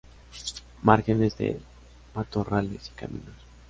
Márgenes de matorrales y caminos.